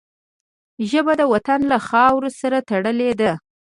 ژبه د وطن له خاورو سره تړلې ده